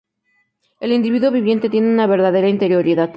El individuo viviente tiene una verdadera interioridad.